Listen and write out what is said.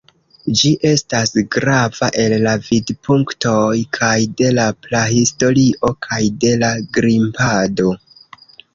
Ĝi estas grava el la vidpunktoj kaj de la prahistorio kaj de la grimpado.